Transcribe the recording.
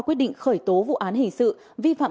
quyết định khởi tố vụ án hình sự vi phạm